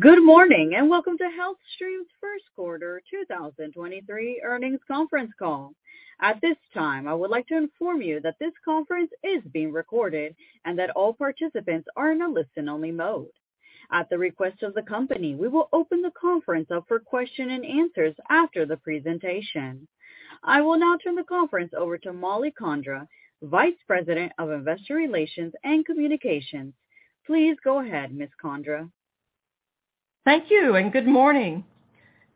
Good morning. Welcome to HealthStream's first quarter 2023 earnings conference call. At this time, I would like to inform you that this conference is being recorded and that all participants are in a listen-only mode. At the request of the company, we will open the conference up for question-and-answers after the presentation. I will now turn the conference over to Mollie Condra, Vice President of Investor Relations and Communications. Please go ahead, Ms. Condra. Thank you, good morning.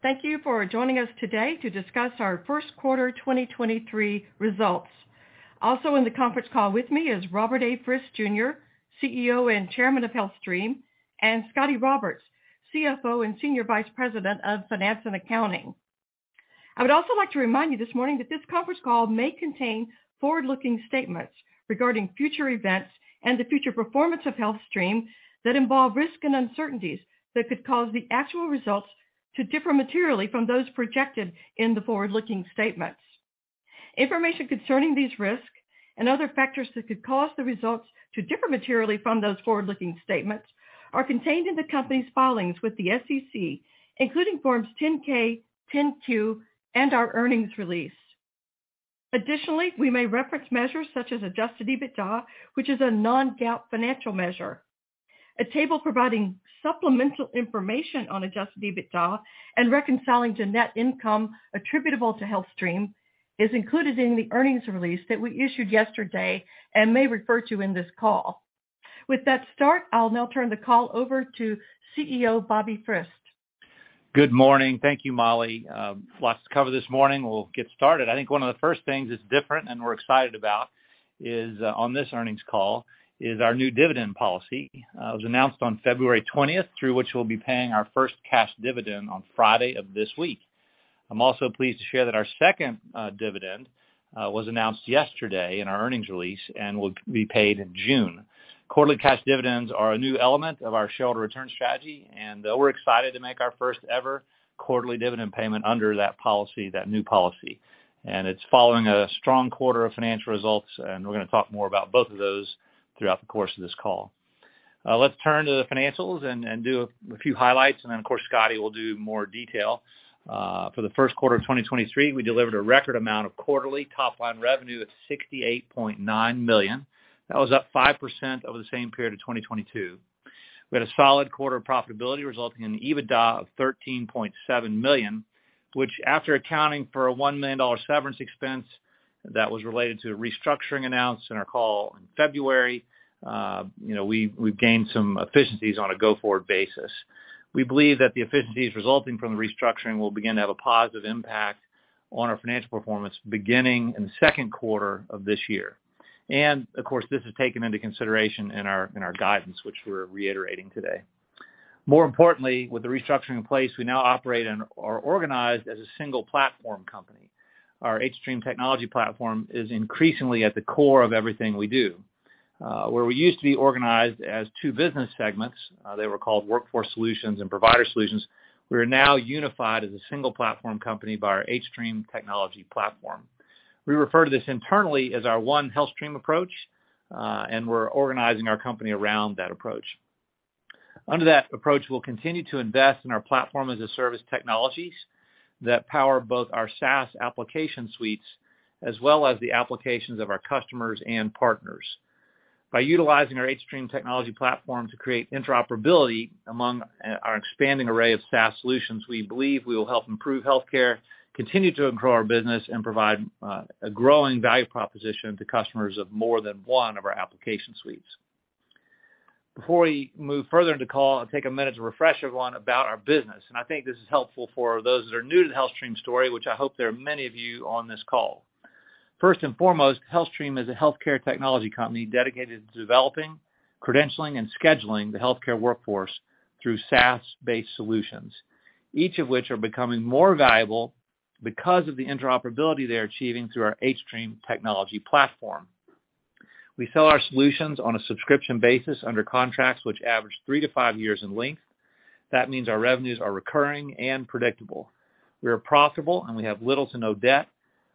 Thank you for joining us today to discuss our first quarter 2023 results. Also in the conference call with me is Robert A. Frist Jr., CEO and Chairman of HealthStream, and Scotty Roberts, CFO and Senior Vice President of Finance and Accounting. I would also like to remind you this morning that this conference call may contain forward-looking statements regarding future events and the future performance of HealthStream that involve risks and uncertainties that could cause the actual results to differ materially from those projected in the forward-looking statements. Information concerning these risks and other factors that could cause the results to differ materially from those forward-looking statements are contained in the company's filings with the SEC, including Forms 10-K, 10-Q, and our earnings release. Additionally, we may reference measures such as Adjusted EBITDA, which is a non-GAAP financial measure. A table providing supplemental information on Adjusted EBITDA and reconciling to net income attributable to HealthStream is included in the earnings release that we issued yesterday and may refer to in this call. With that start, I'll now turn the call over to CEO Bobby Frist. Good morning. Thank you, Mollie. Lots to cover this morning. We'll get started. I think one of the first things that's different and we're excited about on this earnings call is our new dividend policy. It was announced on February 20th, through which we'll be paying our first cash dividend on Friday of this week. I'm also pleased to share that our second dividend was announced yesterday in our earnings release and will be paid in June. Quarterly cash dividends are a new element of our shareholder return strategy, and we're excited to make our first-ever quarterly dividend payment under that policy, that new policy. It's following a strong quarter of financial results, and we're gonna talk more about both of those throughout the course of this call. Let's turn to the financials and do a few highlights, and then, of course, Scotty will do more detail. For the first quarter of 2023, we delivered a record amount of quarterly top-line revenue at $68.9 million. That was up 5% over the same period of 2022. We had a solid quarter of profitability, resulting in an EBITDA of $13.7 million, which after accounting for a $1 million severance expense that was related to a restructuring announced in our call in February, you know, we've gained some efficiencies on a go-forward basis. We believe that the efficiencies resulting from the restructuring will begin to have a positive impact on our financial performance beginning in the second quarter of this year. Of course, this is taken into consideration in our, in our guidance, which we're reiterating today. More importantly, with the restructuring in place, we now operate and are organized as a single platform company. Our hStream technology platform is increasingly at the core of everything we do. Where we used to be organized as two business segments, they were called Workforce Solutions and Provider Solutions, we are now unified as a single platform company by our hStream technology platform. We refer to this internally as our One HealthStream approach, and we're organizing our company around that approach. Under that approach, we'll continue to invest in our platform-as-a-service technologies that power both our SaaS application suites as well as the applications of our customers and partners. By utilizing our hStream technology platform to create interoperability among our expanding array of SaaS solutions, we believe we will help improve healthcare, continue to grow our business, and provide a growing value proposition to customers of more than one of our application suites. Before we move further into call, I'll take a minute to refresh everyone about our business. I think this is helpful for those that are new to the HealthStream story, which I hope there are many of you on this call. First and foremost, HealthStream is a healthcare technology company dedicated to developing, credentialing, and scheduling the healthcare workforce through SaaS-based solutions, each of which are becoming more valuable because of the interoperability they are achieving through our hStream technology platform. We sell our solutions on a subscription basis under contracts which average three-five years in length. That means our revenues are recurring and predictable. We are profitable, and we have little to no debt.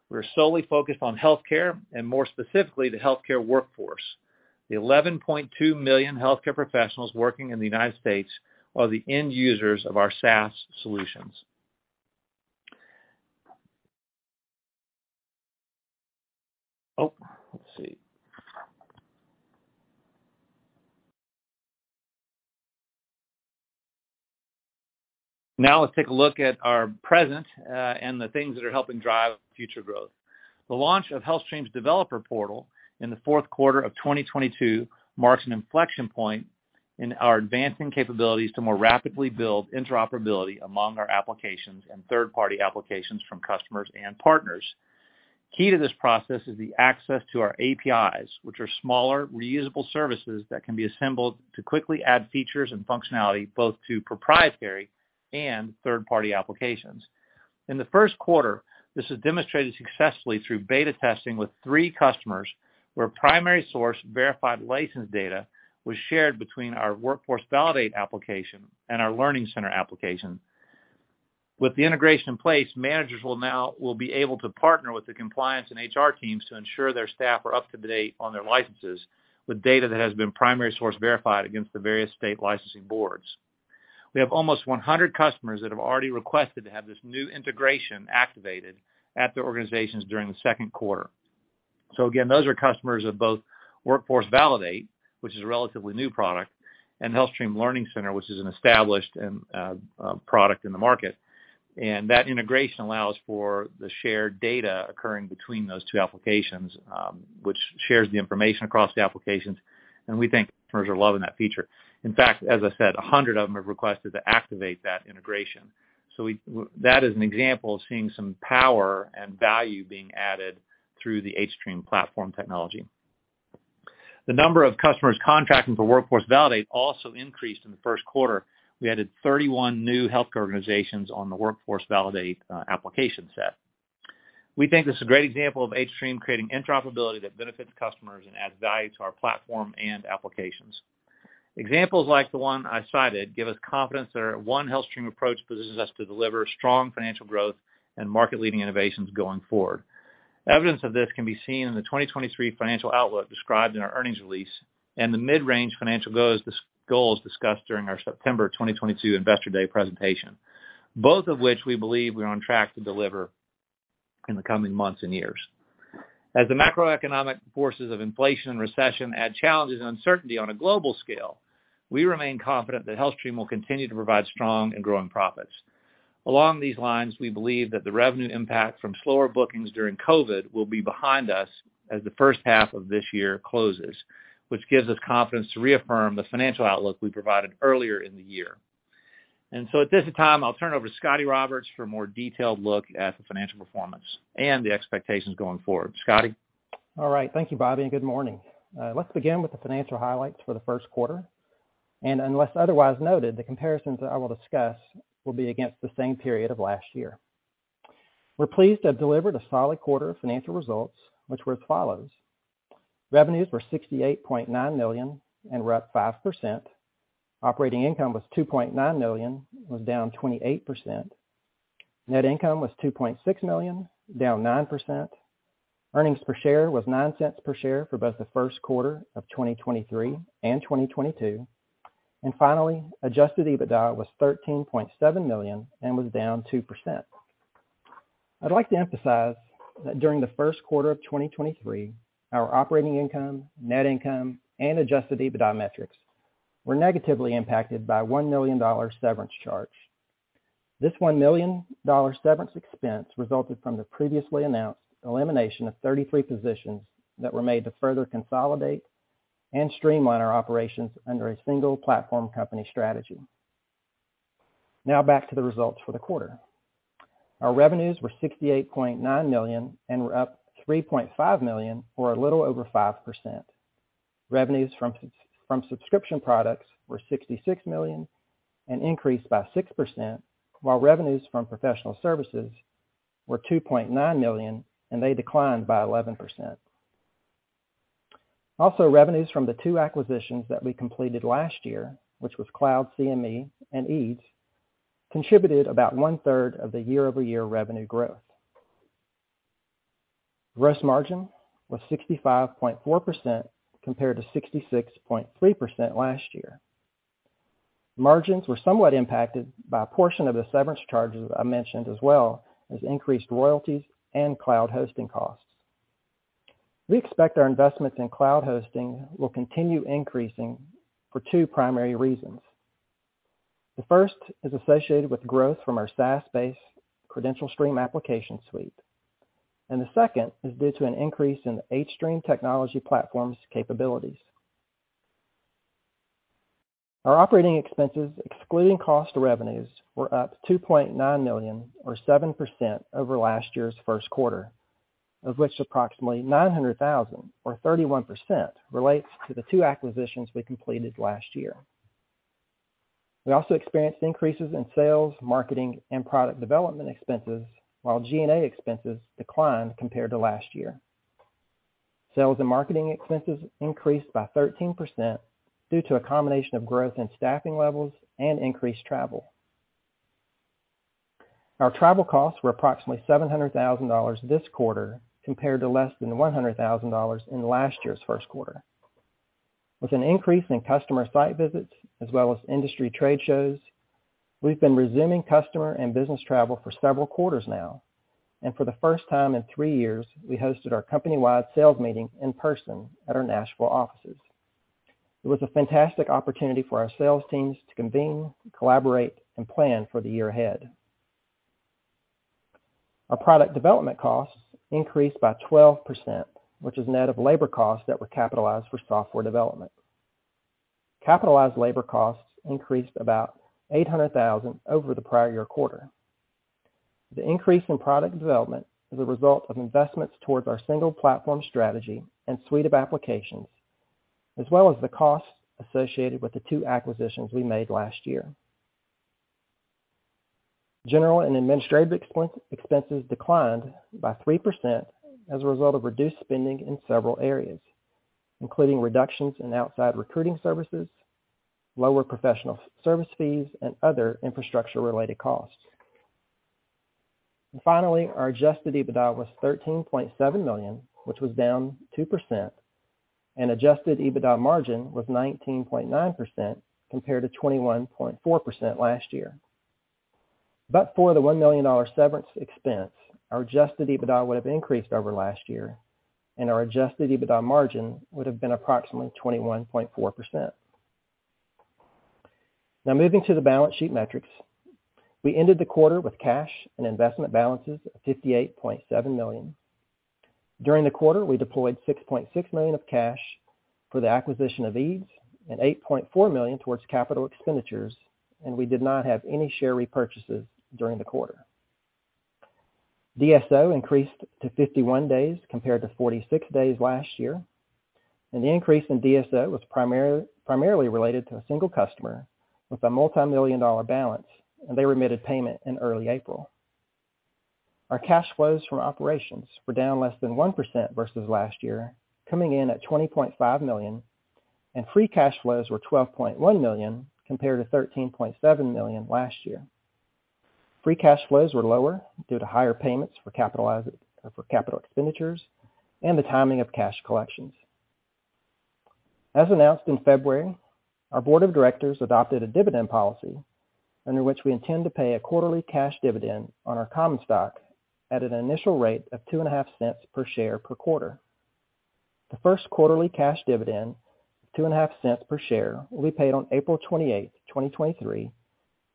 We're solely focused on healthcare and more specifically, the healthcare workforce. The 11.2 million healthcare professionals working in the United States are the end users of our SaaS solutions. Oh, let's see. Now let's take a look at our present and the things that are helping drive future growth. The launch of HealthStream's developer portal in the fourth quarter of 2022 marks an inflection point in our advancing capabilities to more rapidly build interoperability among our applications and third-party applications from customers and partners. Key to this process is the access to our APIs, which are smaller, reusable services that can be assembled to quickly add features and functionality both to proprietary and third-party applications. In the first quarter, this was demonstrated successfully through beta testing with three customers, where primary source verified license data was shared between our Workforce Validate application and our Learning Center application. With the integration in place, managers will now be able to partner with the compliance and HR teams to ensure their staff are up to date on their licenses with data that has been primary source verified against the various state licensing boards. We have almost 100 customers that have already requested to have this new integration activated at their organizations during the second quarter. Again, those are customers of both Workforce Validate, which is a relatively new product, and HealthStream Learning Center, which is an established and product in the market. That integration allows for the shared data occurring between those two applications, which shares the information across the applications. We think customers are loving that feature. In fact, as I said, 100 of them have requested to activate that integration. That is an example of seeing some power and value being added through the hStream platform technology. The number of customers contracting for Workforce Validate also increased in the first quarter. We added 31 new health care organizations on the Workforce Validate application set. We think this is a great example of hStream creating interoperability that benefits customers and adds value to our platform and applications. Examples like the one I cited give us confidence that our One HealthStream approach positions us to deliver strong financial growth and market leading innovations going forward. Evidence of this can be seen in the 2023 financial outlook described in our earnings release and the mid-range financial goals discussed during our September 2022 Investor Day presentation, both of which we believe we're on track to deliver in the coming months and years. As the macroeconomic forces of inflation and recession add challenges and uncertainty on a global scale, we remain confident that HealthStream will continue to provide strong and growing profits. Along these lines, we believe that the revenue impact from slower bookings during COVID will be behind us as the first half of this year closes, which gives us confidence to reaffirm the financial outlook we provided earlier in the year. At this time, I'll turn it over to Scotty Roberts for a more detailed look at the financial performance and the expectations going forward. Scotty? All right. Thank you, Bobby, good morning. Let's begin with the financial highlights for the first quarter. Unless otherwise noted, the comparisons that I will discuss will be against the same period of last year. We're pleased to have delivered a solid quarter of financial results which were as follows: revenues were $68.9 million and were up 5%. Operating income was $2.9 million, was down 28%. Net income was $2.6 million, down 9%. Earnings per share was $0.09 per share for both the first quarter of 2023 and 2022. Finally, Adjusted EBITDA was $13.7 million and was down 2%. I'd like to emphasize that during the first quarter of 2023, our operating income, net income, and Adjusted EBITDA metrics were negatively impacted by a $1 million severance charge. This $1 million severance expense resulted from the previously announced elimination of 33 positions that were made to further consolidate and streamline our operations under a single platform company strategy. Back to the results for the quarter. Our revenues were $68.9 million and were up $3.5 million or a little over 5%. Revenues from subscription products were $66 million and increased by 6%, while revenues from professional services were $2.9 million, and they declined by 11%. Revenues from the two acquisitions that we completed last year, which was CloudCME and eeds, contributed about one-third of the year-over-year revenue growth. Gross margin was 65.4% compared to 66.3% last year. Margins were somewhat impacted by a portion of the severance charges I mentioned, as well as increased royalties and cloud hosting costs. We expect our investments in cloud hosting will continue increasing for two primary reasons. The first is associated with growth from our SaaS-based CredentialStream application suite, and the second is due to an increase in the hStream technology platform's capabilities. Our operating expenses, excluding cost to revenues, were up $2.9 million or 7% over last year's first quarter, of which approximately $900,000 or 31% relates to the two acquisitions we completed last year. We also experienced increases in sales, marketing, and product development expenses while G&A expenses declined compared to last year. Sales and marketing expenses increased by 13% due to a combination of growth in staffing levels and increased travel. Our travel costs were approximately $700,000 this quarter compared to less than $100,000 in last year's first quarter. With an increase in customer site visits as well as industry trade shows, we've been resuming customer and business travel for several quarters now. For the first time in three years, we hosted our company-wide sales meeting in person at our Nashville offices. It was a fantastic opportunity for our sales teams to convene, collaborate, and plan for the year ahead. Our product development costs increased by 12%, which is net of labor costs that were capitalized for software development. Capitalized labor costs increased about $800,000 over the prior year quarter. The increase in product development is a result of investments towards our single platform strategy and suite of applications, as well as the costs associated with the two acquisitions we made last year. General and administrative expenses declined by 3% as a result of reduced spending in several areas. Including reductions in outside recruiting services, lower professional service fees, and other infrastructure-related costs. Finally, our Adjusted EBITDA was $13.7 million, which was down 2%, and Adjusted EBITDA margin was 19.9% compared to 21.4% last year. For the $1 million severance expense, our Adjusted EBITDA would have increased over last year, and our Adjusted EBITDA margin would have been approximately 21.4%. Moving to the balance sheet metrics. We ended the quarter with cash and investment balances of $58.7 million. During the quarter, we deployed $6.6 million of cash for the acquisition of eeds and $8.4 million towards capital expenditures. We did not have any share repurchases during the quarter. DSO increased to 51 days compared to 46 days last year. The increase in DSO was primarily related to a single customer with a multimillion-dollar balance. They remitted payment in early April. Our cash flows from operations were down less than 1% versus last year, coming in at $20.5 million. Free cash flows were $12.1 million compared to $13.7 million last year. Free cash flows were lower due to higher payments for capital expenditures and the timing of cash collections. As announced in February, our board of directors adopted a dividend policy under which we intend to pay a quarterly cash dividend on our common stock at an initial rate of two and a half cents per share per quarter. The first quarterly cash dividend of two and a half cents per share will be paid on April 28, 2023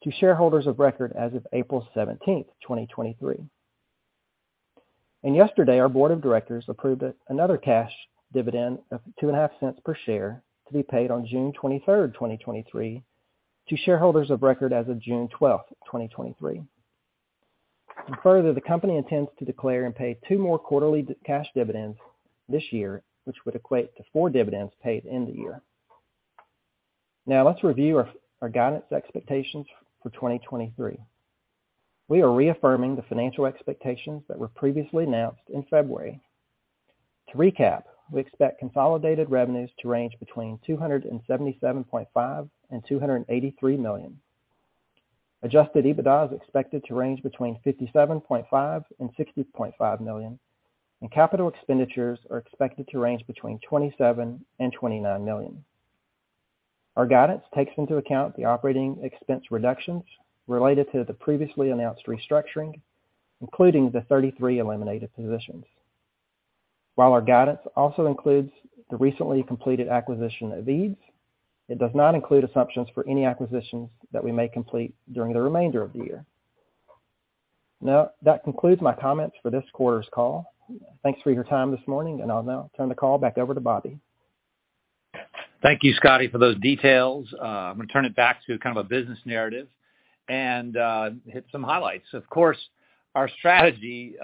to shareholders of record as of April 17, 2023. Yesterday, our board of directors approved another cash dividend of two and a half cents per share to be paid on June 23, 2023 to shareholders of record as of June 12, 2023. Further, the company intends to declare and pay two more quarterly cash dividends this year, which would equate to four dividends paid in the year. Let's review our guidance expectations for 2023. We are reaffirming the financial expectations that were previously announced in February. To recap, we expect consolidated revenues to range between $277.5 million and $283 million. Adjusted EBITDA is expected to range between $57.5 million and $60.5 million, and capital expenditures are expected to range between $27 million and $29 million. Our guidance takes into account the operating expense reductions related to the previously announced restructuring, including the 33 eliminated positions. While our guidance also includes the recently completed acquisition of eeds, it does not include assumptions for any acquisitions that we may complete during the remainder of the year. That concludes my comments for this quarter's call. Thanks for your time this morning, and I'll now turn the call back over to Bobby. Thank you, Scotty, for those details. I'm gonna turn it back to kind of a business narrative and hit some highlights. Of course, our strategy,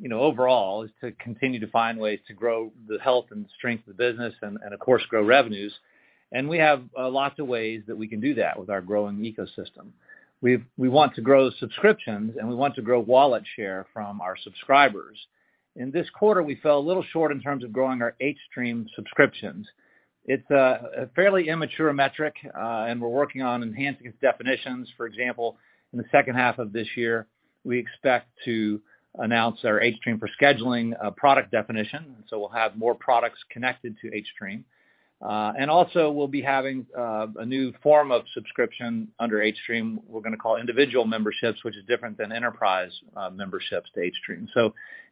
you know, overall is to continue to find ways to grow the health and strength of the business and, of course, grow revenues. We have lots of ways that we can do that with our growing ecosystem. We want to grow subscriptions, and we want to grow wallet share from our subscribers. In this quarter, we fell a little short in terms of growing our hStream subscriptions. It's a fairly immature metric, and we're working on enhancing its definitions. For example, in the second half of this year, we expect to announce our hStream for scheduling product definition, so we'll have more products connected to hStream. Also we'll be having a new form of subscription under hStream, we're gonna call individual memberships, which is different than enterprise memberships to hStream.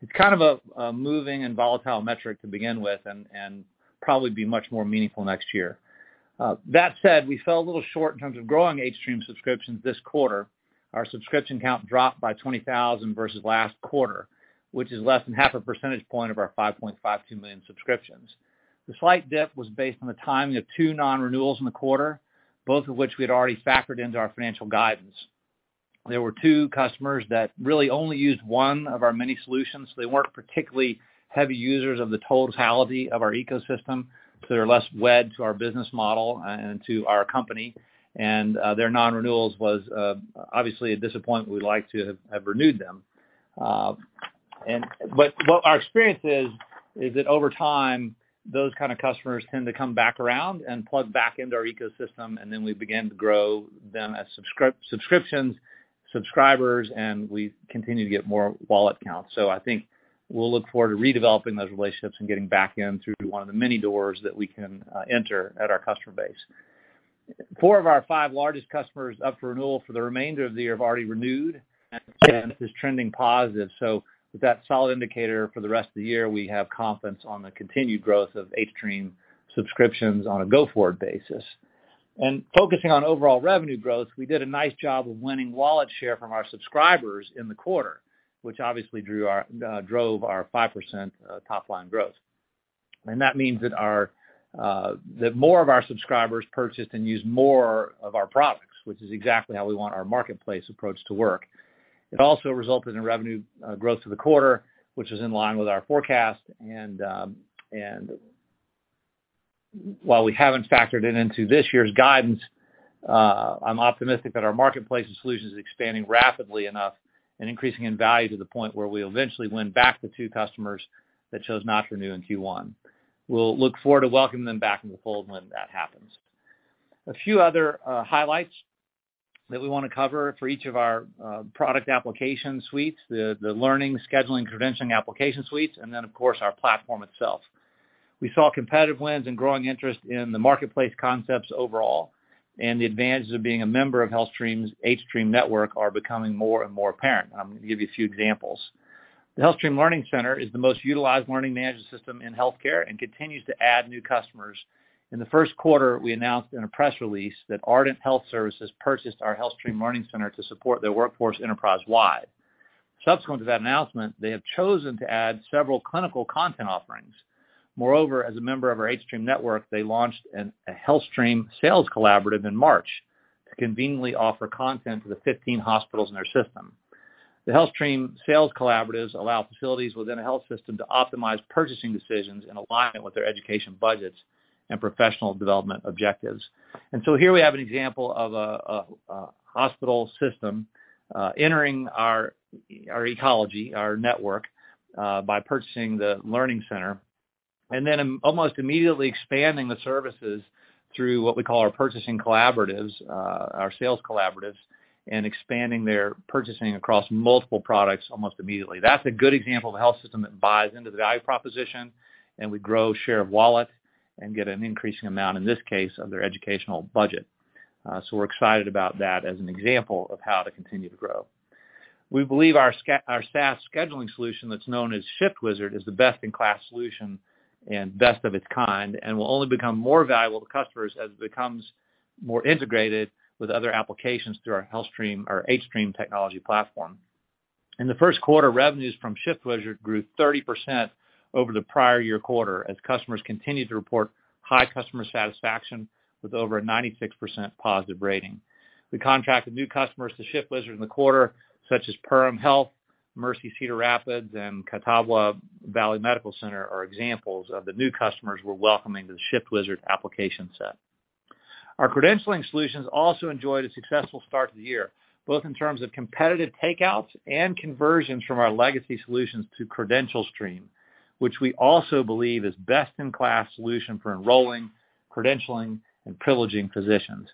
It's kind of a moving and volatile metric to begin with and probably be much more meaningful next year. That said, we fell a little short in terms of growing hStream subscriptions this quarter. Our subscription count dropped by 20,000 versus last quarter, which is less than half a percentage point of our 5.52 million subscriptions. The slight dip was based on the timing of two non-renewals in the quarter, both of which we had already factored into our financial guidance. There were two customers that really only used one of our many solutions. They weren't particularly heavy users of the totality of our ecosystem, so they're less wed to our business model and to our company. Their non-renewals was obviously a disappointment. We'd like to have renewed them. But what our experience is that over time, those kind of customers tend to come back around and plug back into our ecosystem, and then we begin to grow them as subscriptions, subscribers, and we continue to get more wallet count. I think we'll look forward to redeveloping those relationships and getting back in through one of the many doors that we can enter at our customer base. Four of our five largest customers up for renewal for the remainder of the year have already renewed. This is trending positive. With that solid indicator for the rest of the year, we have confidence on the continued growth of hStream subscriptions on a go-forward basis. Focusing on overall revenue growth, we did a nice job of winning wallet share from our subscribers in the quarter, which obviously drove our 5% top line growth. That means that more of our subscribers purchased and used more of our products, which is exactly how we want our marketplace approach to work. It also resulted in revenue growth for the quarter, which is in line with our forecast. While we haven't factored it into this year's guidance, I'm optimistic that our marketplace and solutions is expanding rapidly enough and increasing in value to the point where we'll eventually win back the two customers that chose not to renew in Q1. We'll look forward to welcoming them back into the fold when that happens. A few other highlights that we wanna cover for each of our product application suites, the learning, scheduling, credentialing application suites, and then of course our platform itself. We saw competitive wins and growing interest in the marketplace concepts overall, and the advantages of being a member of HealthStream's hStream network are becoming more and more apparent. I'm gonna give you a few examples. The HealthStream Learning Center is the most utilized learning management system in healthcare and continues to add new customers. In the first quarter, we announced in a press release that Ardent Health Services purchased our HealthStream Learning Center to support their workforce enterprise-wide. Subsequent to that announcement, they have chosen to add several clinical content offerings. Moreover, as a member of our hStream network, they launched a HealthStream Sales Collaborative in March to conveniently offer content to the 15 hospitals in their system. The HealthStream Sales Collaboratives allow facilities within a health system to optimize purchasing decisions in alignment with their education budgets and professional development objectives. Here we have an example of a hospital system entering our ecology, our network, by purchasing the Learning Center, and then almost immediately expanding the services through what we call our sales collaboratives, and expanding their purchasing across multiple products almost immediately. That's a good example of a health system that buys into the value proposition, and we grow share of wallet and get an increasing amount, in this case, of their educational budget. We're excited about that as an example of how to continue to grow. We believe our SaaS scheduling solution that's known as ShiftWizard is the best-in-class solution and best of its kind and will only become more valuable to customers as it becomes more integrated with other applications through our HealthStream or hStream technology platform. In the first quarter, revenues from ShiftWizard grew 30% over the prior year quarter as customers continued to report high customer satisfaction with over a 96% positive rating. We contracted new customers to ShiftWizard in the quarter, such as Perham Health, Mercy Cedar Rapids, and Catawba Valley Medical Center are examples of the new customers we're welcoming to the ShiftWizard application set. Our credentialing solutions also enjoyed a successful start to the year, both in terms of competitive takeouts and conversions from our legacy solutions to CredentialStream, which we also believe is best-in-class solution for enrolling, credentialing, and privileging physicians.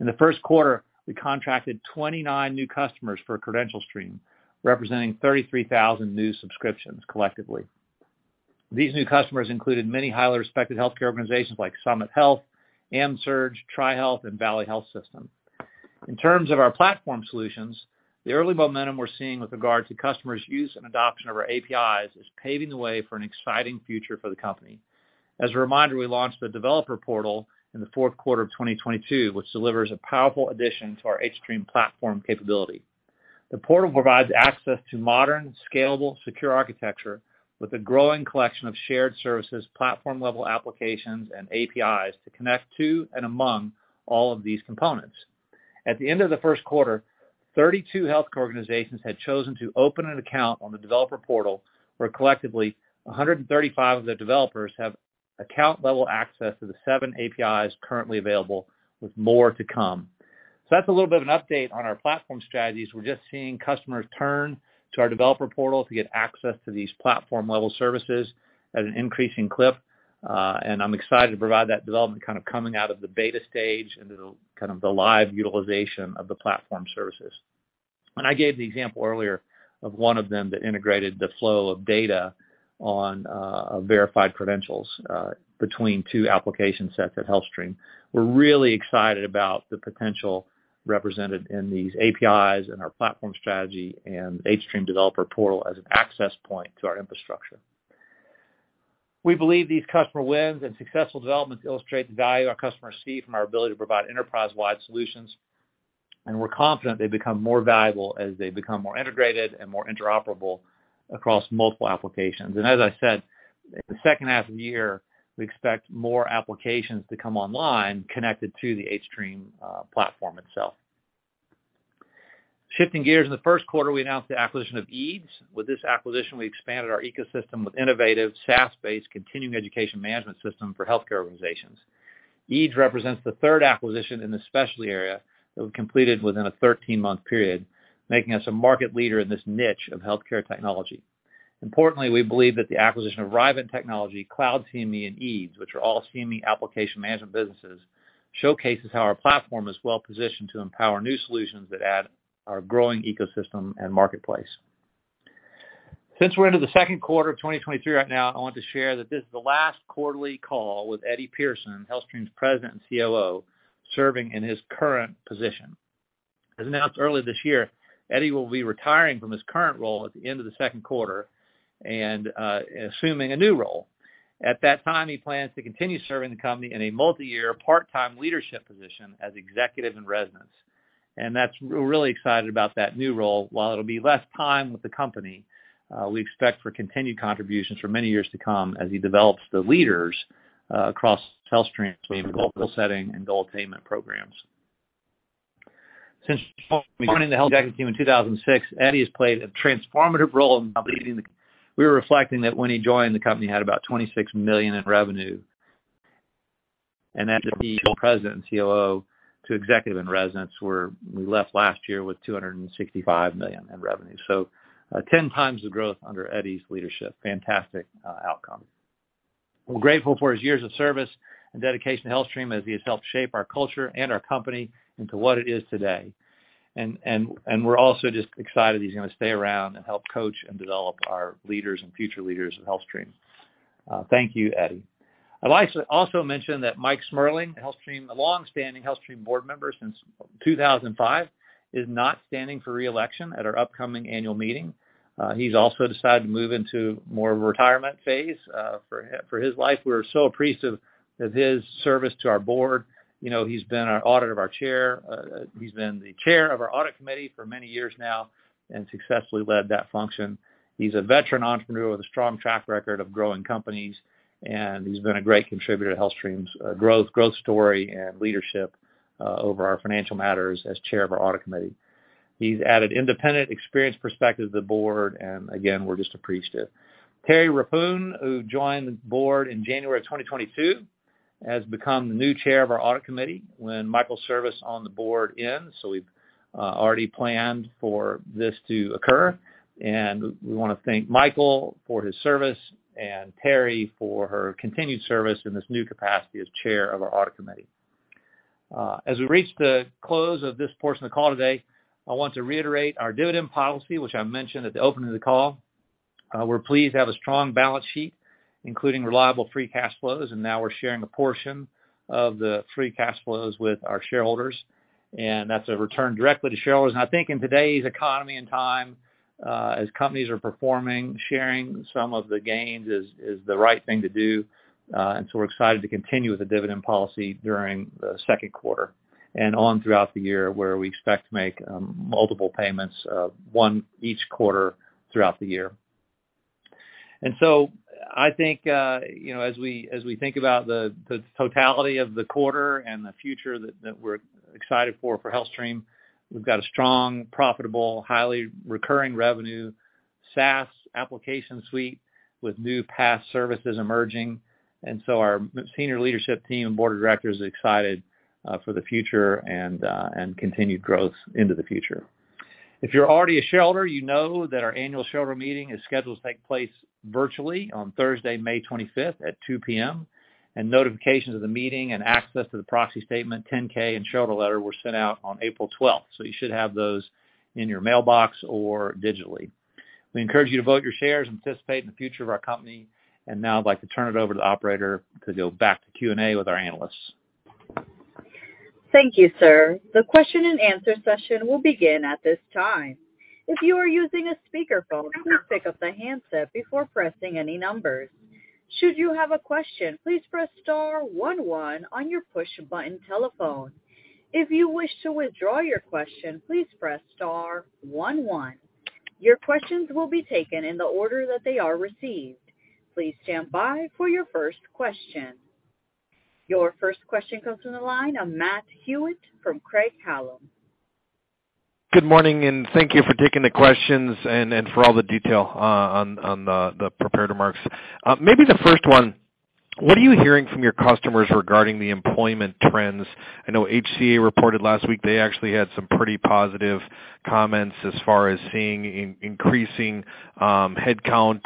In the first quarter, we contracted 29 new customers for CredentialStream, representing 33,000 new subscriptions collectively. These new customers included many highly respected healthcare organizations like Summit Health, AMSURG, TriHealth, and Valley Health System. In terms of our platform solutions, the early momentum we're seeing with regard to customers' use and adoption of our APIs is paving the way for an exciting future for the company. As a reminder, we launched the Developer Portal in the fourth quarter of 2022, which delivers a powerful addition to our hStream platform capability. The portal provides access to modern, scalable, secure architecture with a growing collection of shared services, platform-level applications, and APIs to connect to and among all of these components. At the end of the first quarter, 32 healthcare organizations had chosen to open an account on the hStream Developer Portal, where collectively 135 of their developers have account-level access to the seven APIs currently available, with more to come. That's a little bit of an update on our platform strategies. We're just seeing customers turn to our hStream Developer Portal to get access to these platform-level services at an increasing clip, and I'm excited to provide that development kind of coming out of the beta stage into the kind of the live utilization of the platform services. I gave the example earlier of one of them that integrated the flow of data on verified credentials between two application sets at HealthStream. We're really excited about the potential represented in these APIs and our platform strategy and hStream developer portal as an access point to our infrastructure. We believe these customer wins and successful developments illustrate the value our customers see from our ability to provide enterprise-wide solutions, and we're confident they become more valuable as they become more integrated and more interoperable across multiple applications. As I said, the second half of the year, we expect more applications to come online connected to the hStream platform itself. Shifting gears, in the first quarter, we announced the acquisition of eeds. With this acquisition, we expanded our ecosystem with innovative, SaaS-based continuing education management system for healthcare organizations. eeds represents the third acquisition in the specialty area that we've completed within a 13-month period, making us a market leader in this niche of healthcare technology. Importantly, we believe that the acquisition of Rievent Technologies, CloudCME, and eeds, which are all CME application management businesses, showcases how our platform is well positioned to empower new solutions that add our growing ecosystem and marketplace. Since we're into the second quarter of 2023 right now, I want to share that this is the last quarterly call with Eddie Pearson, HealthStream's President and COO, serving in his current position. As announced earlier this year, Eddie will be retiring from his current role at the end of the second quarter and assuming a new role. At that time, he plans to continue serving the company in a multi-year, part-time leadership position as executive in residence. We're really excited about that new role. While it'll be less time with the company, we expect for continued contributions for many years to come as he develops the leaders across HealthStream's global setting and goal attainment programs. Since joining the HealthStream executive team in 2006, Eddie has played a transformative role in leading the. We were reflecting that when he joined, the company had about $26 million in revenue. Then to be President and COO to Executive in Residence, where we left last year with $265 million in revenue. 10 times the growth under Eddie's leadership. Fantastic outcome. We're grateful for his years of service and dedication to HealthStream as he has helped shape our culture and our company into what it is today. We're also just excited he's gonna stay around and help coach and develop our leaders and future leaders at HealthStream. Thank you, Eddie. I'd like to also mention that Mike Smerling, HealthStream, a long-standing HealthStream board member since 2005, is not standing for re-election at our upcoming annual meeting. He's also decided to move into more of a retirement phase for his life. We're so appreciative of his service to our board. You know, he's been our audit of our chair. He's been the chair of our audit committee for many years now and successfully led that function. He's a veteran entrepreneur with a strong track record of growing companies, and he's been a great contributor to HealthStream's growth story and leadership over our financial matters as chair of our audit committee. He's added independent experience perspective to the board, and again, we're just appreciative. Terri Rappuhn, who joined the board in January of 2022, has become the new chair of our audit committee when Michael's service on the board ends. We've already planned for this to occur, and we wanna thank Michael for his service and Terri for her continued service in this new capacity as chair of our audit committee. As we reach the close of this portion of the call today, I want to reiterate our dividend policy, which I mentioned at the opening of the call. We're pleased to have a strong balance sheet, including reliable free cash flows, and now we're sharing a portion of the free cash flows with our shareholders, and that's a return directly to shareholders. I think in today's economy and time, as companies are performing, sharing some of the gains is the right thing to do. We're excited to continue with the dividend policy during the second quarter and on throughout the year, where we expect to make, multiple payments of one each quarter throughout the year. I think, you know, as we think about the totality of the quarter and the future that we're excited for HealthStream, we've got a strong, profitable, highly recurring revenue, SaaS application suite with new PaaS services emerging. Our senior leadership team and board of directors are excited, for the future and continued growth into the future. If you're already a shareholder, you know that our annual shareholder meeting is scheduled to take place virtually on Thursday, May 25th at 2:00 P.M. Notifications of the meeting and access to the proxy statement, 10-K and shareholder letter were sent out on April 12th. You should have those in your mailbox or digitally. We encourage you to vote your shares and participate in the future of our company. Now I'd like to turn it over to the operator to go back to Q&A with our analysts. Thank you, sir. The question-and-answer session will begin at this time. If you are using a speakerphone, please pick up the handset before pressing any numbers. Should you have a question, please press star one one on your push button telephone. If you wish to withdraw your question, please press star one one. Your questions will be taken in the order that they are received. Please stand by for your first question. Your first question comes from the line of Matthew Hewitt from Craig-Hallum. Good morning, thank you for taking the questions and for all the detail on the prepared remarks. Maybe the first one: What are you hearing from your customers regarding the employment trends? I know HCA reported last week they actually had some pretty positive comments as far as seeing increasing headcount,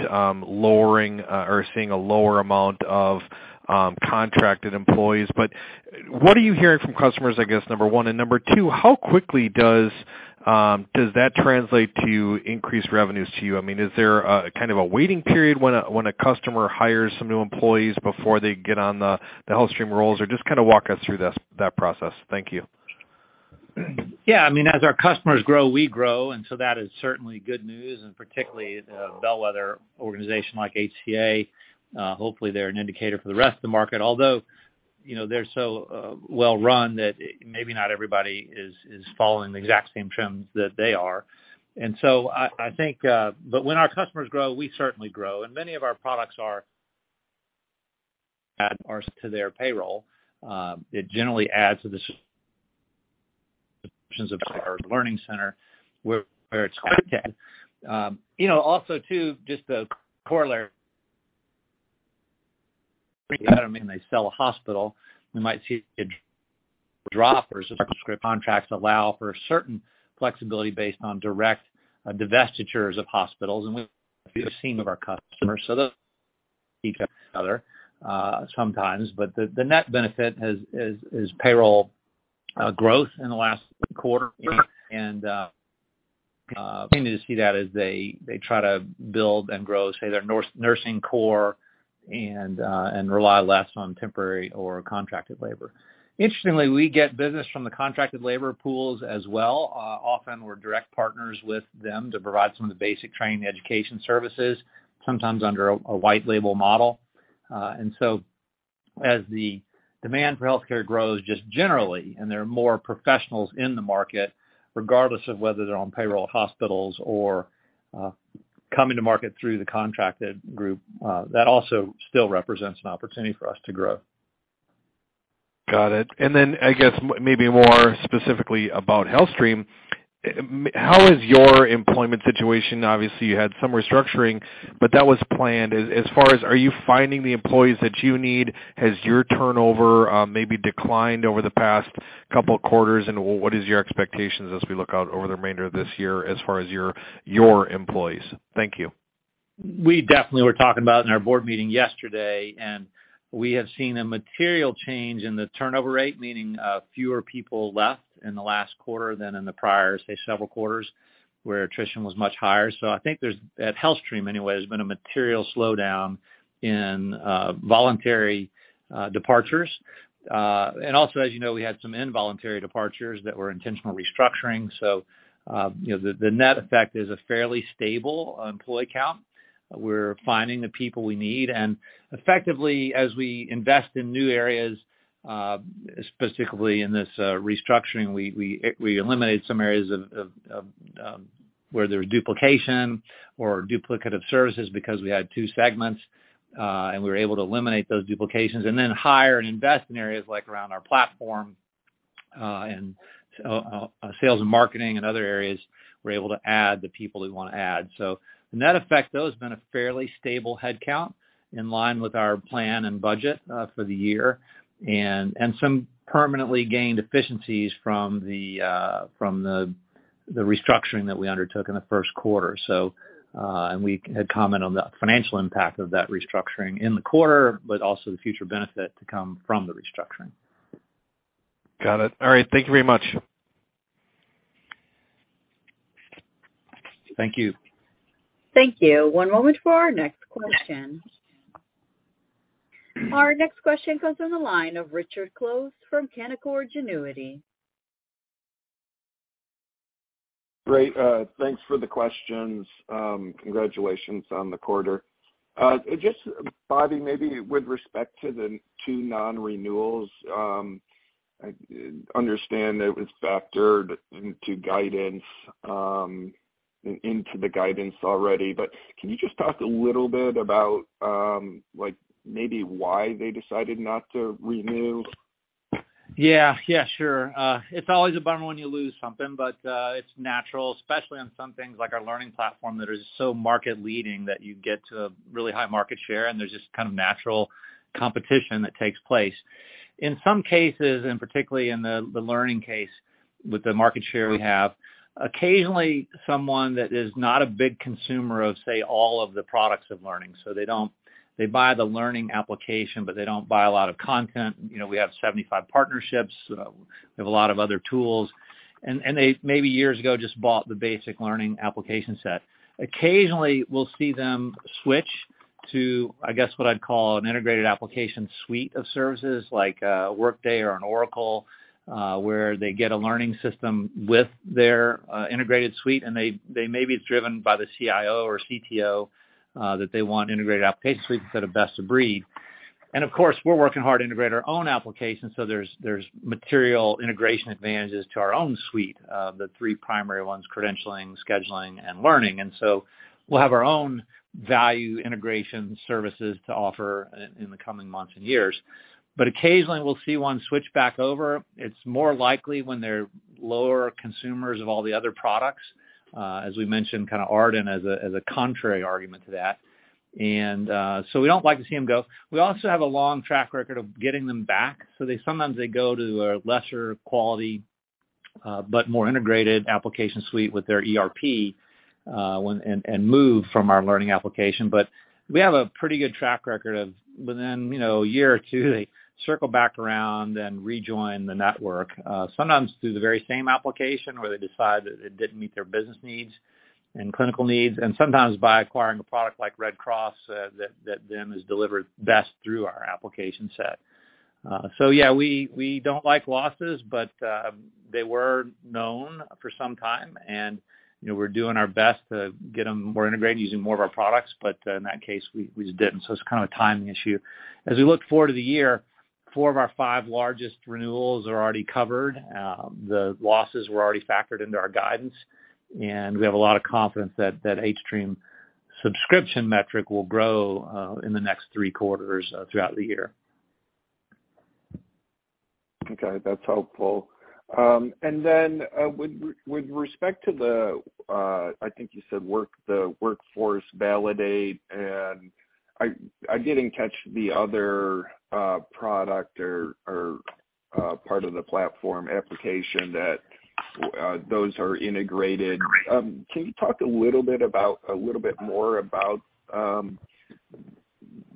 lowering or seeing a lower amount of contracted employees. What are you hearing from customers, I guess, number one? Number two, how quickly does that translate to increased revenues to you? I mean, is there a kind of a waiting period when a customer hires some new employees before they get on the HealthStream rolls? Just kinda walk us through this, that process. Thank you. Yeah. I mean, as our customers grow, we grow, that is certainly good news, and particularly the bellwether organization like HCA, hopefully they're an indicator for the rest of the market. Although, you know, they're so, well run that maybe not everybody is following the exact same trends that they are. I think, but when our customers grow, we certainly grow. Many of our products are add ours to their payroll. It generally adds to the solutions of our Learning Center where it's, you know, also too, just the corollary when they sell a hospital, we might see a drop or subscription contracts allow for certain flexibility based on direct divestitures of hospitals. We've seen with our customers, so those peak each other sometimes. The, the net benefit is payroll growth in the last quarter. Continue to see that as they try to build and grow, say, their nursing core and rely less on temporary or contracted labor. Interestingly, we get business from the contracted labor pools as well. Often we're direct partners with them to provide some of the basic training education services, sometimes under a white label model. As the demand for healthcare grows just generally, and there are more professionals in the market, regardless of whether they're on payroll at hospitals or coming to market through the contracted group, that also still represents an opportunity for us to grow. Got it. I guess maybe more specifically about HealthStream. How is your employment situation? Obviously, you had some restructuring, but that was planned. As far as are you finding the employees that you need? Has your turnover maybe declined over the past couple of quarters? What is your expectations as we look out over the remainder of this year as far as your employees? Thank you. We definitely were talking about in our board meeting yesterday. We have seen a material change in the turnover rate, meaning fewer people left in the last quarter than in the prior, say, several quarters, where attrition was much higher. I think there's, at HealthStream anyway, has been a material slowdown in voluntary departures. Also, as you know, we had some involuntary departures that were intentional restructuring. You know, the net effect is a fairly stable employee count. We're finding the people we need. Effectively, as we invest in new areas, specifically in this restructuring, we eliminate some areas of where there's duplication or duplicative services because we had two segments. We were able to eliminate those duplications. Hire and invest in areas like around our platform, sales and marketing and other areas we're able to add the people we wanna add. The net effect though has been a fairly stable head count in line with our plan and budget for the year. Some permanently gained efficiencies from the restructuring that we undertook in the first quarter. We had comment on the financial impact of that restructuring in the quarter, but also the future benefit to come from the restructuring. Got it. All right. Thank you very much. Thank you. Thank you. One moment for our next question. Our next question comes from the line of Richard Close from Canaccord Genuity. Great. Thanks for the questions. Congratulations on the quarter. Just, Bobby, maybe with respect to the two non-renewals, I understand that it was factored into guidance, into the guidance already. Can you just talk a little bit about, like maybe why they decided not to renew? Yeah. Yeah, sure. It's always a bummer when you lose something, but it's natural, especially on some things like our learning platform that is so market leading that you get to a really high market share, and there's just kind of natural competition that takes place. In some cases, and particularly in the learning case with the market share we have, occasionally someone that is not a big consumer of, say, all of the products of learning, so they don't. They buy the learning application, but they don't buy a lot of content. You know, we have 75 partnerships, we have a lot of other tools. They maybe years ago just bought the basic learning application set. Occasionally, we'll see them switch to, I guess, what I'd call an integrated application suite of services like a Workday or an Oracle, where they get a learning system with their integrated suite, and they may be driven by the CIO or CTO that they want integrated application suite instead of best of breed. Of course, we're working hard to integrate our own applications, so there's material integration advantages to our own suite of the three primary ones, credentialing, scheduling, and learning. So we'll have our own value integration services to offer in the coming months and years. Occasionally we'll see one switch back over. It's more likely when they're lower consumers of all the other products, as we mentioned, kind of Ardent as a contrary argument to that. We don't like to see them go. We also have a long track record of getting them back. Sometimes they go to a lesser quality, but more integrated application suite with their ERP, and move from our learning application. We have a pretty good track record of within, you know, a year or two, they circle back around and rejoin the network, sometimes through the very same application where they decide that it didn't meet their business needs and clinical needs, and sometimes by acquiring a product like Red Cross, that then is delivered best through our application set. Yeah, we don't like losses, but they were known for some time and, you know, we're doing our best to get them more integrated using more of our products. In that case, we just didn't. It's kind of a timing issue. As we look forward to the year, four of our five largest renewals are already covered. The losses were already factored into our guidance, and we have a lot of confidence that that hStream subscription metric will grow in the next three quarters throughout the year. Okay, that's helpful. With respect to the, I think you said the Workforce Validate, and I didn't catch the other product or part of the platform application that those are integrated. Can you talk a little bit more about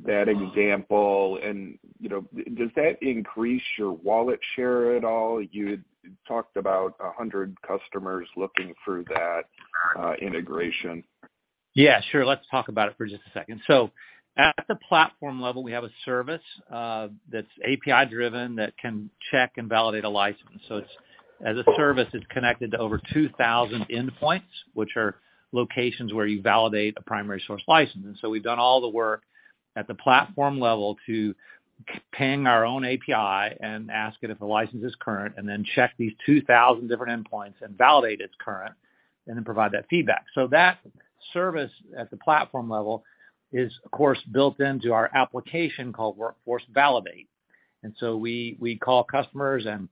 that example and, you know, does that increase your wallet share at all? You talked about 100 customers looking through that integration. Yeah, sure. Let's talk about it for just a second. At the platform level, we have a service that's API driven that can check and validate a license. It's, as a service, it's connected to over 2,000 endpoints, which are locations where you validate a primary source license. We've done all the work at the platform level to ping our own API and ask it if a license is current, and then check these 2,000 different endpoints and validate it's current. Then provide that feedback. That service at the platform level is of course built into our application called Workforce Validate. We call customers and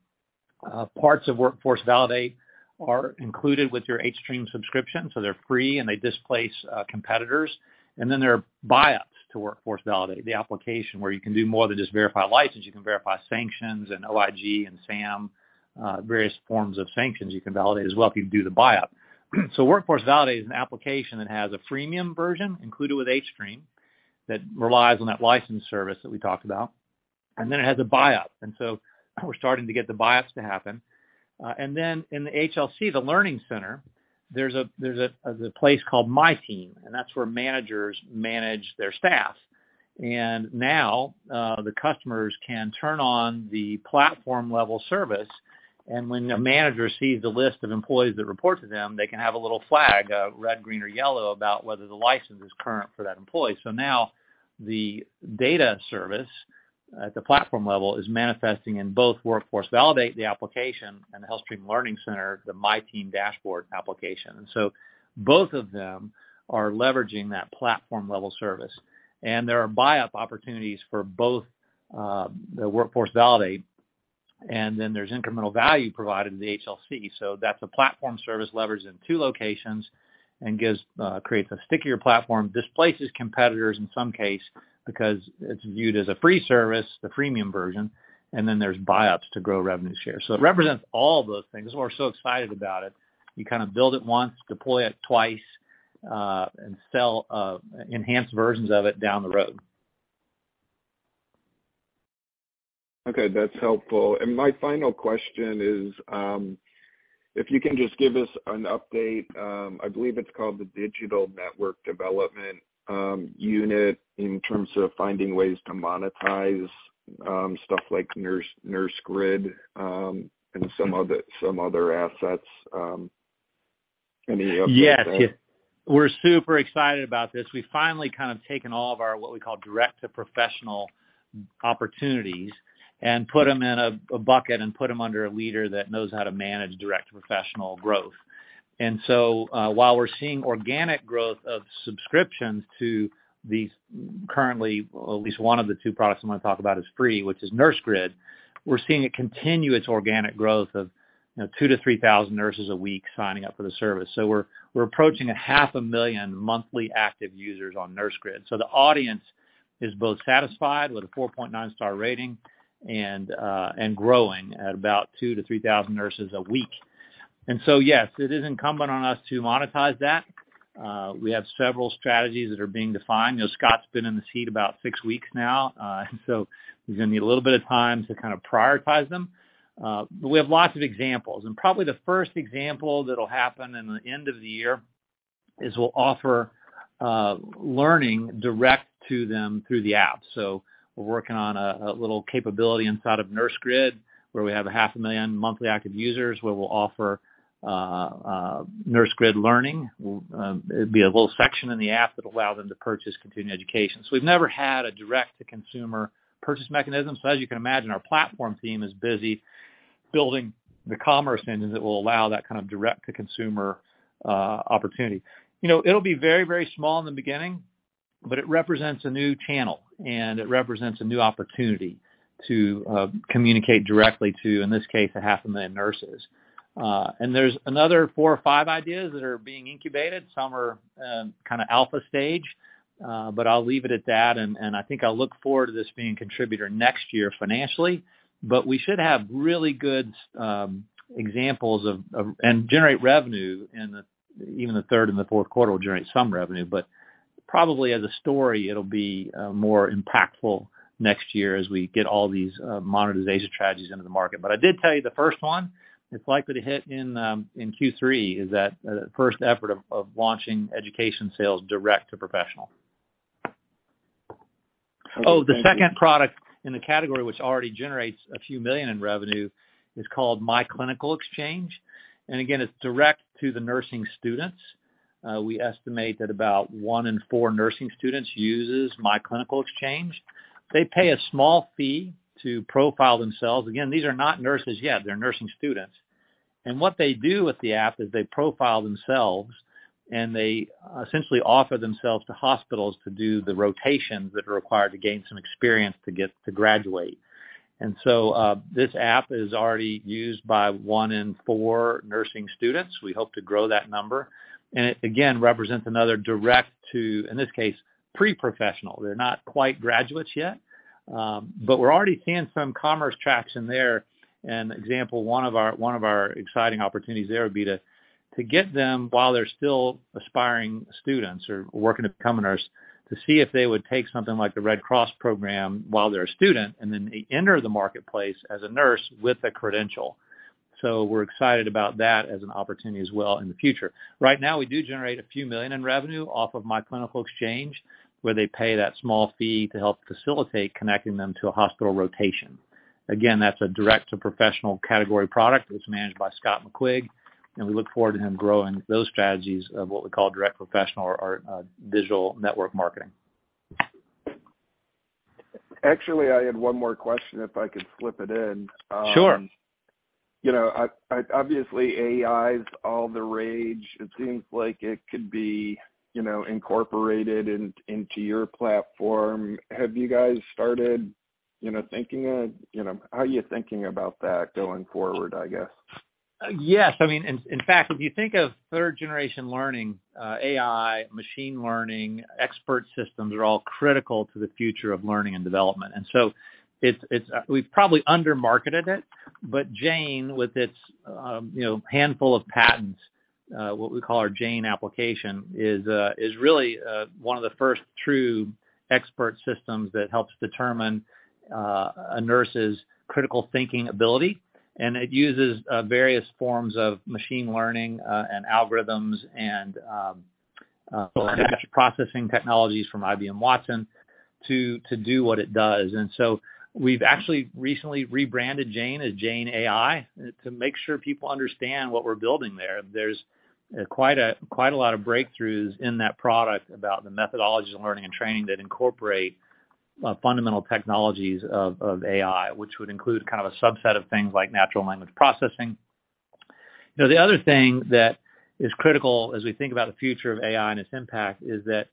parts of Workforce Validate are included with your hStream subscription, so they're free and they displace competitors. There are buyups to Workforce Validate, the application where you can do more than just verify license. You can verify sanctions and OIG and SAM, various forms of sanctions you can validate as well if you do the buyout. Workforce Validate is an application that has a freemium version included with hStream that relies on that license service that we talked about. It has a buyout. We're starting to get the buyups to happen. In the HLC, the learning center, there's a place called My Team, and that's where managers manage their staff. Now, the customers can turn on the platform level service, and when the manager sees the list of employees that report to them, they can have a little flag, a red, green, or yellow about whether the license is current for that employee. Now the data service at the platform level is manifesting in both Workforce Validate, the application, and the HealthStream Learning Center, the My Team dashboard application. Both of them are leveraging that platform level service. There are buyup opportunities for both, the Workforce Validate, and then there's incremental value provided to the HLC. That's a platform service leveraged in two locations and gives creates a stickier platform, displaces competitors in some case because it's viewed as a free service, the freemium version, and then there's buyups to grow revenue share. It represents all of those things. We're so excited about it. You kind of build it once, deploy it twice, and sell enhanced versions of it down the road. Okay, that's helpful. My final question is, if you can just give us an update, I believe it's called the Digital & Network Development Unit in terms of finding ways to monetize stuff like NurseGrid and some other assets. Any update there? Yes. We're super excited about this. We've finally kind of taken all of our, what we call direct to professional opportunities and put them in a bucket and put them under a leader that knows how to manage direct to professional growth. While we're seeing organic growth of subscriptions to these currently, at least one of the two products I'm gonna talk about is free, which is Nursegrid, we're seeing a continuous organic growth of, you know, 2,000-3,000 nurses a week signing up for the service. We're approaching a half a million monthly active users on Nursegrid. The audience is both satisfied with a 4.9 star rating and growing at about 2,000-3,000 nurses a week. Yes, it is incumbent on us to monetize that. We have several strategies that are being defined. You know, Scott's been in this seat about six weeks now, he's gonna need a little bit of time to kind of prioritize them. We have lots of examples. Probably the first example that'll happen in the end of the year is we'll offer learning direct to them through the app. We're working on a little capability inside of NurseGrid, where we have a 500,000 monthly active users, where we'll offer Nursegrid Learn. It'd be a little section in the app that'll allow them to purchase continuing education. We've never had a direct-to-consumer purchase mechanism. As you can imagine, our platform team is busy building the commerce engines that will allow that kind of direct-to-consumer opportunity. You know, it'll be very, very small in the beginning, but it represents a new channel, and it represents a new opportunity to communicate directly to, in this case, a 500,000 nurses. There's another four or five ideas that are being incubated. Some are kinda alpha stage, I'll leave it at that. I think I look forward to this being a contributor next year financially. We should have really good examples of and generate revenue in the even the third and the fourth quarter, we'll generate some revenue. Probably as a story, it'll be more impactful next year as we get all these monetization strategies into the market. I did tell you the first one, it's likely to hit in Q3, is that the first effort of launching education sales direct to professional. Okay. Thank you. The second product in the category, which already generates a few million in revenue, is called myClinicalExchange. Again, it's direct to the nursing students. We estimate that about one in four nursing students uses myClinicalExchange. They pay a small fee to profile themselves. Again, these are not nurses yet. They're nursing students. What they do with the app is they profile themselves, and they essentially offer themselves to hospitals to do the rotations that are required to gain some experience to get to graduate. This app is already used by one in four nursing students. We hope to grow that number. It, again, represents another direct to, in this case, pre-professional. They're not quite graduates yet. We're already seeing some commerce traction there. Example, one of our exciting opportunities there would be to get them while they're still aspiring students or working to become a nurse, to see if they would take something like the Red Cross program while they're a student, and then they enter the marketplace as a nurse with a credential. We're excited about that as an opportunity as well in the future. Right now, we do generate a few million dollars in revenue off of myClinicalExchange, where they pay that small fee to help facilitate connecting them to a hospital rotation. Again, that's a direct-to-professional category product. It's managed by Scott McQuigg, and we look forward to him growing those strategies of what we call direct-to-professional or digital network marketing. Actually, I had one more question, if I could slip it in. Sure. you know, obviously AI's all the rage. It seems like it could be, you know, incorporated into your platform. Have you guys started, you know, thinking of, you know, how are you thinking about that going forward, I guess? Yes. I mean, in fact, if you think of third generation learning, AI, machine learning, expert systems are all critical to the future of learning and development. We've probably under marketed it, but Jane, with its, you know, handful of patents, what we call our Jane application, is really one of the first true expert systems that helps determine a nurse's critical thinking ability. It uses various forms of machine learning, and algorithms and processing technologies from IBM Watson to do what it does. We've actually recently rebranded Jane as Jane AI to make sure people understand what we're building there. There's quite a lot of breakthroughs in that product about the methodologies of learning and training that incorporate fundamental technologies of AI, which would include kind of a subset of things like natural language processing. You know, the other thing that is critical as we think about the future of AI and its impact is that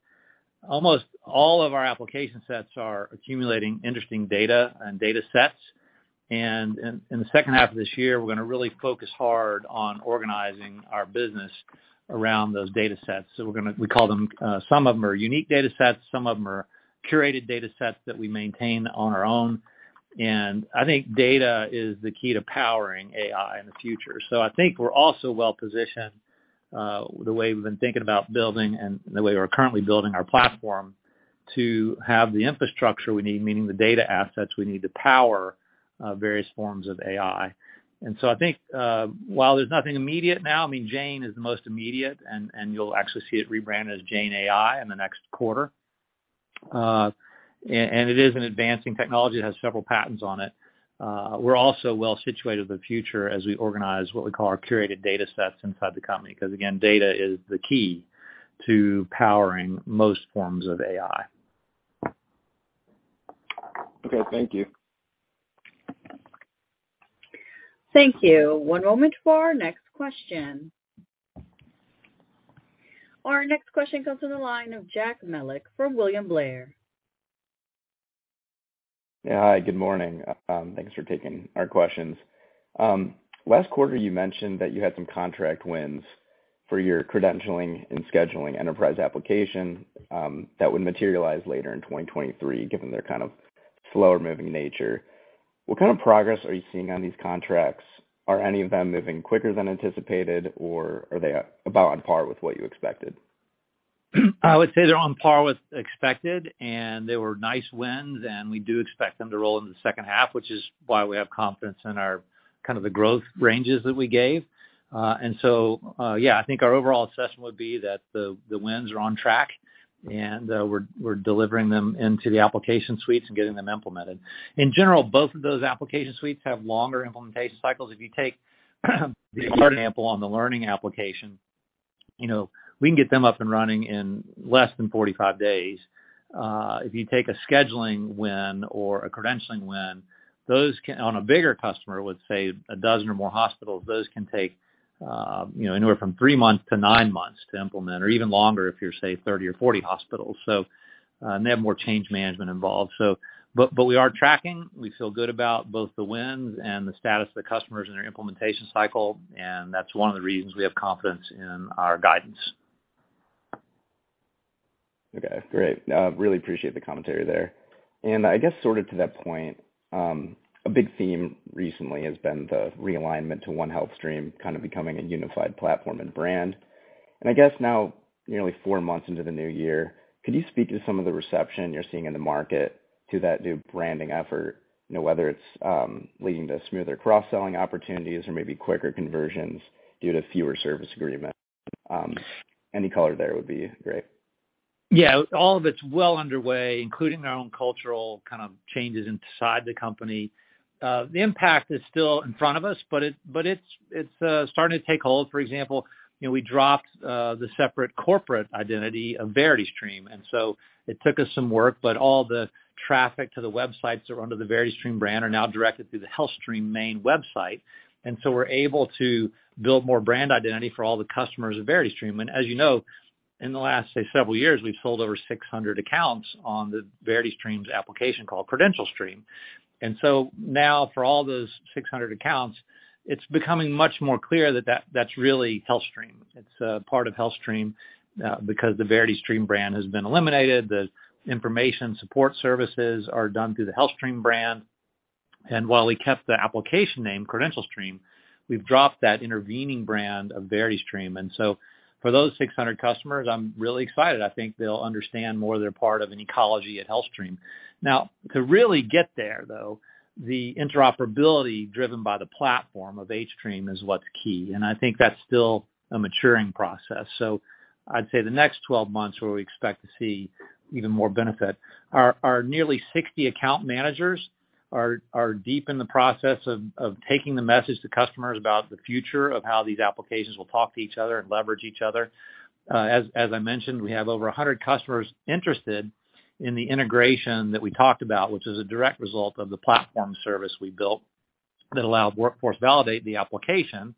almost all of our application sets are accumulating interesting data and data sets. In the second half of this year, we're gonna really focus hard on organizing our business around those data sets. We call them, some of them are unique data sets, some of them are curated data sets that we maintain on our own. I think data is the key to powering AI in the future. I think we're also well positioned, the way we've been thinking about building and the way we're currently building our platform to have the infrastructure we need, meaning the data assets we need to power various forms of AI. I think, while there's nothing immediate now, I mean, Jane is the most immediate, and you'll actually see it rebranded as Jane AI in the next quarter. It is an advancing technology. It has several patents on it. We're also well situated for the future as we organize what we call our curated data sets inside the company, 'cause again, data is the key to powering most forms of AI. Okay. Thank you. Thank you. One moment for our next question. Our next question comes to the line of Jared Haase from William Blair. Yeah. Hi, good morning. Thanks for taking our questions. Last quarter you mentioned that you had some contract wins for your credentialing and scheduling enterprise application, that would materialize later in 2023, given their kind of slower moving nature. What kind of progress are you seeing on these contracts? Are any of them moving quicker than anticipated, or are they about on par with what you expected? I would say they're on par with expected, and they were nice wins, and we do expect them to roll into the second half, which is why we have confidence in our kind of the growth ranges that we gave. Yeah, I think our overall assessment would be that the wins are on track and we're delivering them into the application suites and getting them implemented. In general, both of those application suites have longer implementation cycles. If you take example on the learning application, you know, we can get them up and running in less than 45 days. If you take a scheduling win or a credentialing win, on a bigger customer with, say, a 12 or more hospitals, those can take, you know, anywhere from three-nine months to implement or even longer if you're, say, 30 or 40 hospitals. They have more change management involved, so. We are tracking. We feel good about both the wins and the status of the customers and their implementation cycle, and that's one of the reasons we have confidence in our guidance. Okay, great. Really appreciate the commentary there. I guess sort of to that point, a big theme recently has been the realignment to One HealthStream kind of becoming a unified platform and brand. I guess now nearly four months into the new year, could you speak to some of the reception you're seeing in the market to that new branding effort? You know, whether it's leading to smoother cross-selling opportunities or maybe quicker conversions due to fewer service agreements. Any color there would be great. Yeah. All of it's well underway, including our own cultural kind of changes inside the company. The impact is still in front of us, but it's starting to take hold. For example, you know, we dropped, the separate corporate identity of VerityStream. It took us some work, but all the traffic to the websites that are under the VerityStream brand are now directed through the HealthStream main website. We're able to build more brand identity for all the customers of VerityStream. As you know, in the last, say, several years, we've sold over 600 accounts on the VerityStream's application called CredentialStream. Now for all those 600 accounts, it's becoming much more clear that that's really HealthStream. It's part of HealthStream because the VerityStream brand has been eliminated. The information support services are done through the HealthStream brand. While we kept the application name CredentialStream, we've dropped that intervening brand of VerityStream. For those 600 customers, I'm really excited. I think they'll understand more they're part of an ecology at HealthStream. To really get there, though, the interoperability driven by the platform of hStream is what's key, and I think that's still a maturing process. I'd say the next 12 months where we expect to see even more benefit. Our nearly 60 account managers are deep in the process of taking the message to customers about the future of how these applications will talk to each other and leverage each other. As I mentioned, we have over 100 customers interested in the integration that we talked about, which is a direct result of the platform service we built that allowed Workforce Validate the application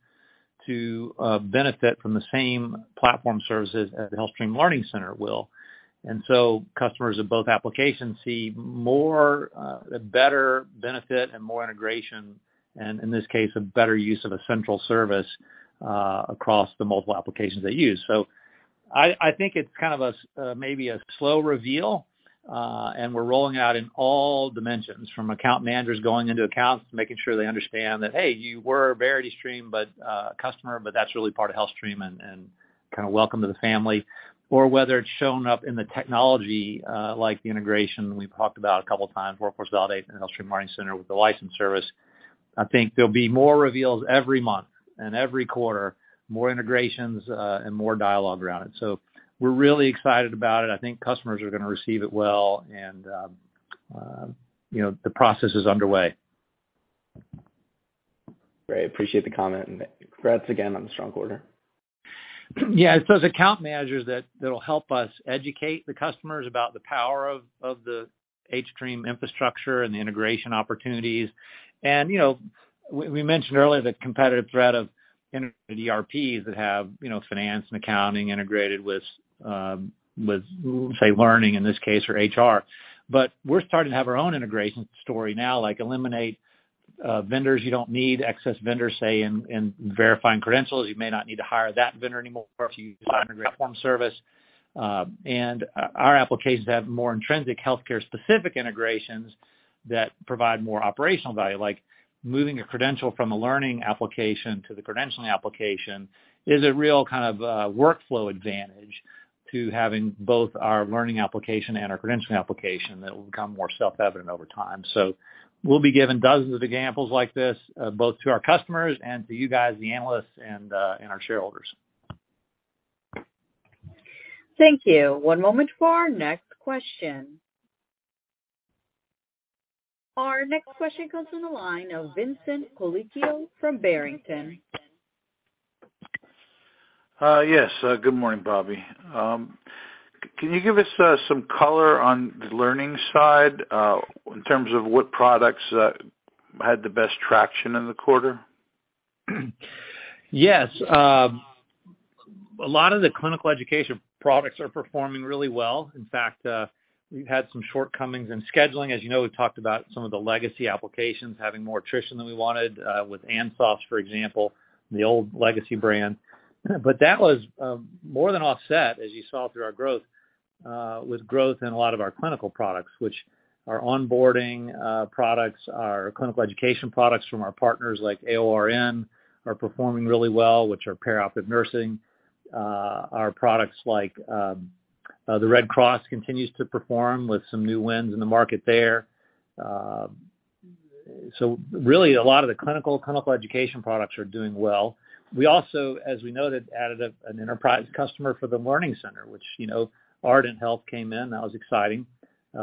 to benefit from the same platform services as the HealthStream Learning Center will. Customers of both applications see more better benefit and more integration, and in this case, a better use of a central service across the multiple applications they use. I think it's kind of a maybe a slow reveal, and we're rolling out in all dimensions from account managers going into accounts, making sure they understand that, hey, you were a VerityStream, but a customer, but that's really part of HealthStream and kinda welcome to the family. Or whether it's shown up in the technology, like the integration we've talked about 2 times, Workforce Validate and HealthStream Learning Center with the license service. I think there'll be more reveals every month and every quarter, more integrations, and more dialogue around it. We're really excited about it. I think customers are gonna receive it well. You know, the process is underway. Great. Appreciate the comment. Congrats again on the strong quarter. Yeah. It's those account managers that'll help us educate the customers about the power of the hStream infrastructure and the integration opportunities. You know, we mentioned earlier the competitive threat of integrated ERPs that have, you know, finance and accounting integrated with, say, learning in this case or HR. We're starting to have our own integration story now, like eliminate vendors you don't need, excess vendors, say, in verifying credentials. You may not need to hire that vendor anymore if you use our platform service. Our applications have more intrinsic healthcare-specific integrations that provide more operational value, like moving a credential from a learning application to the credentialing application is a real kind of workflow advantage to having both our learning application and our credentialing application that will become more self-evident over time. We'll be given dozens of examples like this, both to our customers and to you guys, the analysts, and our shareholders. Thank you. One moment for our next question. Our next question comes from the line of Vincent Colicchio from Barrington. Yes. Good morning, Bobby. Can you give us some color on the learning side, in terms of what products had the best traction in the quarter? Yes. A lot of the clinical education products are performing really well. In fact, we've had some shortcomings in scheduling. As you know, we've talked about some of the legacy applications having more attrition than we wanted with ANSOS, for example, the old legacy brand. That was more than offset, as you saw through our growth, with growth in a lot of our clinical products, which are onboarding products, are clinical education products from our partners like AORN are performing really well, which are perioperative nursing. Our products like the Red Cross continues to perform with some new wins in the market there. Really a lot of the clinical education products are doing well. We also, as we noted, added an enterprise customer for the Learning Center, which, you know, Ardent Health came in. That was exciting.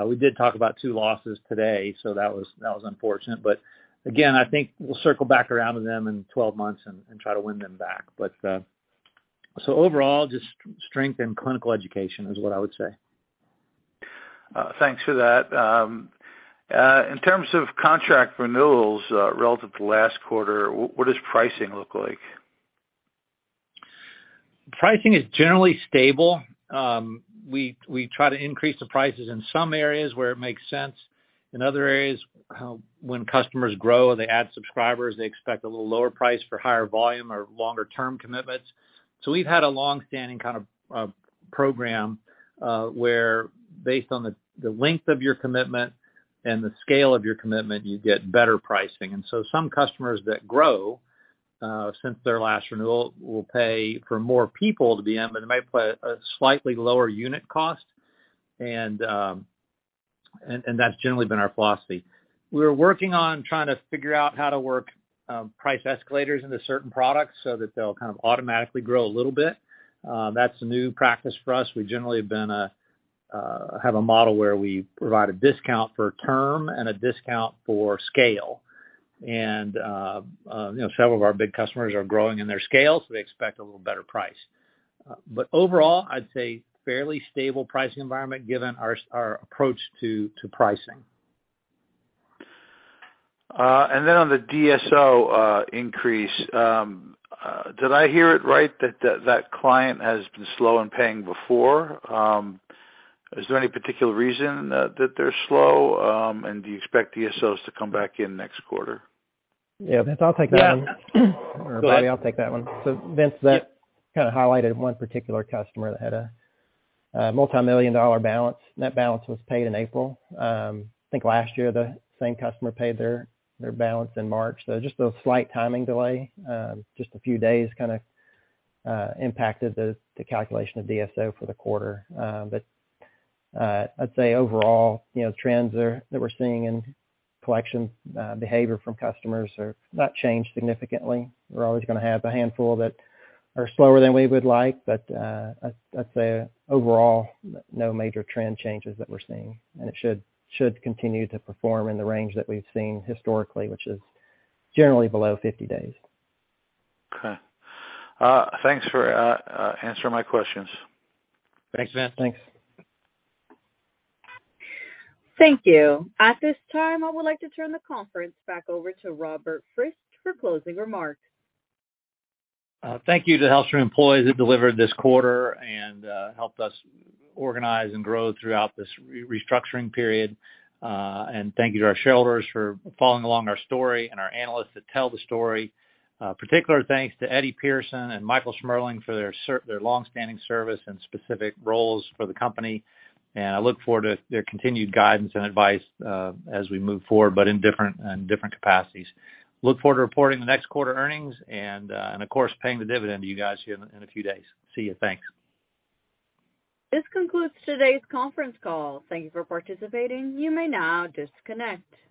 We did talk about 2 losses today, so that was unfortunate. Again, I think we'll circle back around to them in 12 months and try to win them back. Overall, just strength in clinical education is what I would say. Thanks for that. In terms of contract renewals, relative to last quarter, what does pricing look like? Pricing is generally stable. We try to increase the prices in some areas where it makes sense. In other areas, when customers grow, they add subscribers, they expect a little lower price for higher volume or longer term commitments. We've had a long-standing kind of program where based on the length of your commitment and the scale of your commitment, you get better pricing. Some customers that grow since their last renewal, will pay for more people to be on, but it might play a slightly lower unit cost. That's generally been our philosophy. We're working on trying to figure out how to work price escalators into certain products so that they'll kind of automatically grow a little bit. That's a new practice for us. We generally have been a, have a model where we provide a discount for term and a discount for scale. You know, several of our big customers are growing in their scale, so they expect a little better price. Overall, I'd say fairly stable pricing environment given our approach to pricing. On the DSO increase, did I hear it right that client has been slow in paying before? Is there any particular reason that they're slow? Do you expect DSOs to come back in next quarter? Yeah. Vince, I'll take that one. Yeah. Bobby, I'll take that one. Vince, that highlighted one particular customer that had a multimillion-dollar balance. Net balance was paid in April. I think last year, the same customer paid their balance in March. Just a slight timing delay, just a few days impacted the calculation of DSO for the quarter. I'd say overall, you know, trends that we're seeing in collection behavior from customers are not changed significantly. We're always gonna have a handful that are slower than we would like, but I'd say overall, no major trend changes that we're seeing, and it should continue to perform in the range that we've seen historically, which is generally below 50 days. Okay. Thanks for answering my questions. Thanks, Vince. Thanks. Thank you. At this time, I would like to turn the conference back over to Robert Frist for closing remarks. Thank you to HealthStream employees who delivered this quarter and helped us organize and grow throughout this restructuring period. Thank you to our shareholders for following along our story and our analysts that tell the story. Particular thanks to Eddie Pearson and Michael Smerling for their long-standing service and specific roles for the company. I look forward to their continued guidance and advice as we move forward, but in different, in different capacities. Look forward to reporting the next quarter earnings and of course, paying the dividend to you guys here in a few days. See you. Thanks. This concludes today's conference call. Thank you for participating. You may now disconnect.